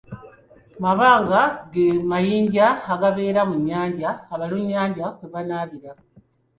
Mabanga ge mayinja agabeera mu nnyanja abalunnyanja kwe banaabira.